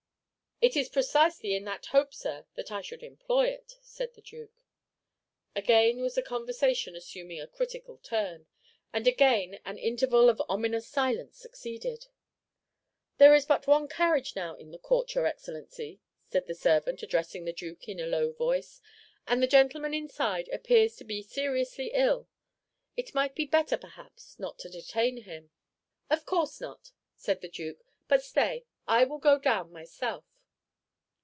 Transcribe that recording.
"It is precisely in that hope, sir, that I should employ it," said the Duke. Again was the conversation assuming a critical turn, and again an interval of ominous silence succeeded. "There is but one carriage now in the court, your Excellency," said the servant, addressing the Duke in a low voice, "and the gentleman inside appears to be seriously ill. It might be better, perhaps, not to detain him." "Of course not," said the Duke; "but stay, I will go down myself."